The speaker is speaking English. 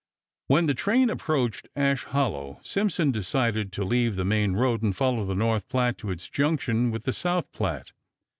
When the train approached Ash Hollow Simpson decided to leave the main road and follow the North Platte to its junction with the South Platte.